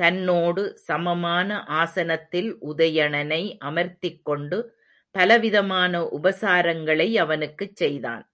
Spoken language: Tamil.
தன்னோடு சமமான ஆசனத்தில் உதயணனை அமர்த்திக்கொண்டு பலவிதமான உபசாரங்களை அவனுக்குச் செய்தான்.